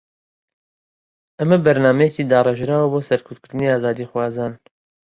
ئەمە بەرنامەیەکی داڕێژراوە بۆ سەرکوتکردنی ئازادیخوازان